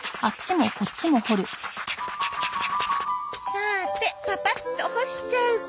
さーてパパッと干しちゃうか。